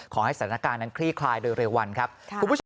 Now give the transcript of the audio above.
ขอให้สถานการณ์นั้นคลี่คลายโดยเร็ววันครับคุณผู้ชม